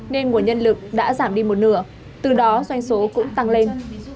nên nguồn nhân lực đã giảm đi một nửa từ đó doanh số cũng tăng lên